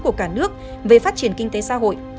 của cả nước về phát triển kinh tế xã hội